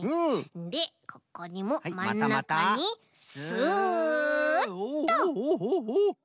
でここにもまんなかにスッと。